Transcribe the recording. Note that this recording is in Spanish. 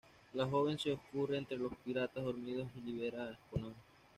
La joven se escurre entre los piratas dormidos y libera a Conan.